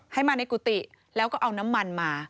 ให้มาในกุฏิแล้วก็เอาน้ำมันมา